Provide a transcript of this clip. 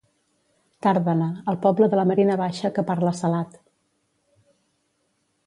Tàrbena, el poble de la Marina Baixa que parla salat.